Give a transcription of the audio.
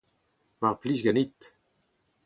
Mar plij ganit.